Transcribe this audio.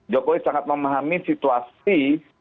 jokowi sangat memahami situasi